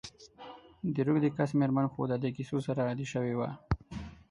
د روږدې کس میرمن خو د دي کیسو سره عادي سوي وه.